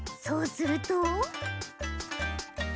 そうすると？